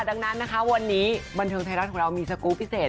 ดังนั้นวันนี้บันทึงไทรัพย์ของเรามีสกรุปพิเศษ